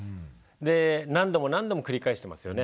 で何度も何度も繰り返してますよね。